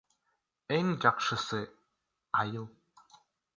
Эң жакшысы — айыл.